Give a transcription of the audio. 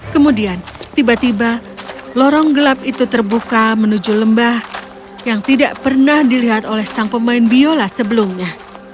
kemudian tiba tiba lorong gelap itu terbuka menuju lembah yang tidak pernah dilihat oleh sang pemain biola sebelumnya